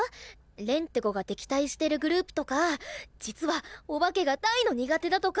恋って子が敵対してるグループとか実はお化けが大の苦手だとか！